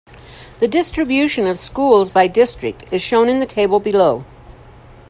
The distribution of schools by district is shown in the table below.